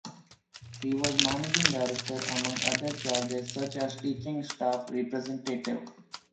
She was managing director, among other charges, such as teaching staff representative.